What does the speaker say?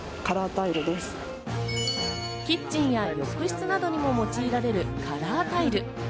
キッチンや浴室などにも用いられるカラータイル。